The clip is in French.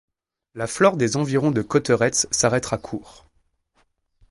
La Flore des environs de Cauteretz s’arrêta court.